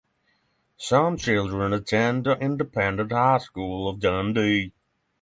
Some children attend the independent High School of Dundee.